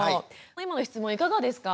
今の質問いかがですか？